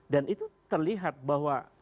dan itu terlihat bahwa